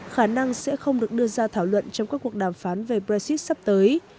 khả năng sẽ không được đưa ra thảo luận trong các cuộc đàm phán về brexit sắp tới